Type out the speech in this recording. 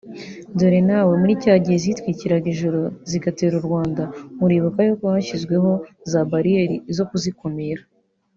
Dore nawe muri cya gihe zitwikiraga ijoro zigatera u Rwanda muribuka yuko hashyizweho za bariyeri zo kuzikumira